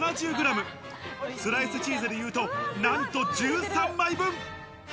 スライスチーズでいうと、なんと１３枚分。